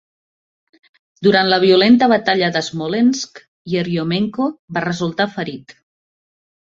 Durant la violenta Batalla de Smolensk, Yeryomenko va resultar ferit.